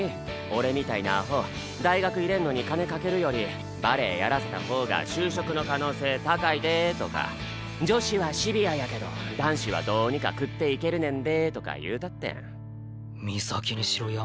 俺みたいなアホ大学入れんのに金かけるよりバレエやらせた方が就職の可能性高いで」とか「女子はシビアやけど男子はどうにか食っていけるねんで」とか言うたってん。